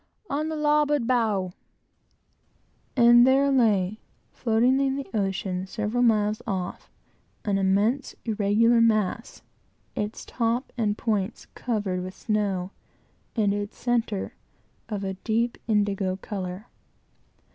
"On the larboard bow." And there lay, floating in the ocean, several miles off, an immense, irregular mass, its top and points covered with snow, and its center of a deep indigo color.